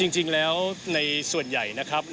จริงแล้วในส่วนใหญ่นะครับ